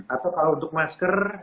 atau kalau untuk masker